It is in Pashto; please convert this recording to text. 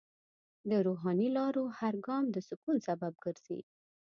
د روحاني لارو هر ګام د سکون سبب ګرځي.